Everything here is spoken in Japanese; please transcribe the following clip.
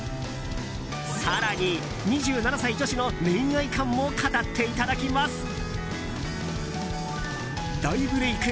更に、２７歳女子の恋愛観も語っていただきます。